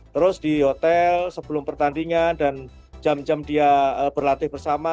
terus di hotel sebelum pertandingan dan jam jam dia berlatih bersama